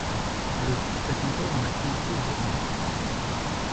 Le groupe est encore en activité aujourd'hui.